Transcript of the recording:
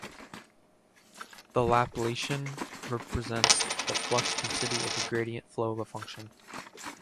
The Laplacian represents the flux density of the gradient flow of a function.